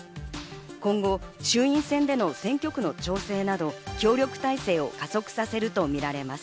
今後、衆院選での選挙区の調整など、協力体制を加速させるとみられます。